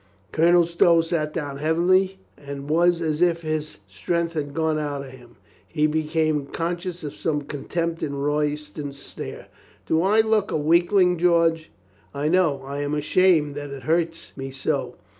Colonel Stow sat down heavily and was as if his strength had gone out of him. He became con scious of some contempt in Royston's stare. "Do I look a weakling, George? I know. I am ashamed that it hurts me so.